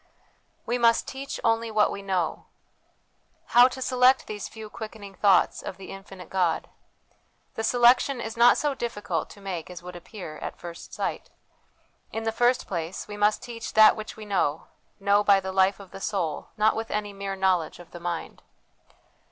We must Teach only what we Know. How to select these few quickening thoughts of the infinite God? The selection is not so difficult to make as would appear at first sight. In the first place, we must teach that which we know, know by the life of the soul, not with any mere knowledge of the mind.